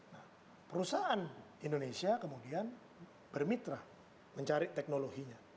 nah perusahaan indonesia kemudian bermitra mencari teknologinya